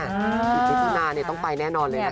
จิตมิถุนาต้องไปแน่นอนเลยนะคะ